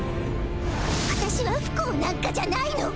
私は不幸なんかじゃないの！